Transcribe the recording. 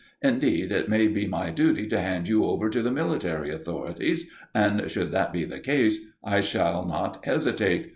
Indeed, it may be my duty to hand you over to the military authorities, and, should that be the case, I shall not hesitate.